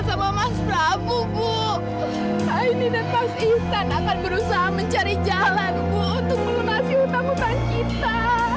sama mas prabu bu aini dan pasir akan berusaha mencari jalan untuk melunasi utang utang kita